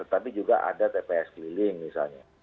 tapi juga ada tps keliling misalnya